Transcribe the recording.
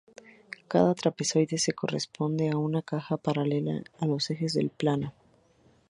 Cada trapezoide se corresponde a una caja paralela a los ejes del plano.